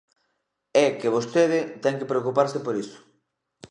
É que vostede ten que preocuparse por iso.